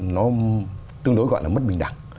nó tương đối gọi là mất bình đẳng